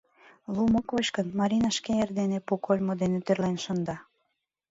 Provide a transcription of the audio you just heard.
Лум ок воч гын, Марина шке эрдене пу кольмо дене тӧрлен шында.